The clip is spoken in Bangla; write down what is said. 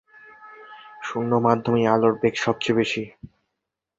শূন্য মাধ্যমেই আলোর বেগ সবচেয়ে বেশি।